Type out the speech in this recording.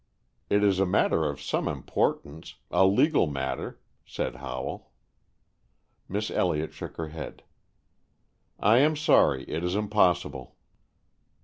"It is a matter of some importance, a legal matter," said Howell. Miss Elliott shook her head. "I am sorry, it is impossible."